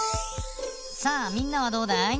さあみんなはどうだい？